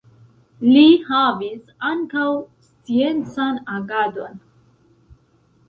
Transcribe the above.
Li havis ankaŭ sciencan agadon.